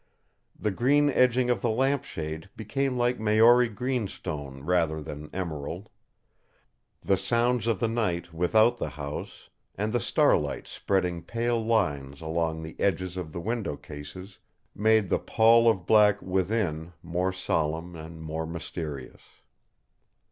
The green edging of the lamp shade became like Maori greenstone rather than emerald. The sounds of the night without the house, and the starlight spreading pale lines along the edges of the window cases, made the pall of black within more solemn and more mysterious.